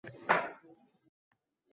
— Gulga tikanning sirayam keragi yo‘q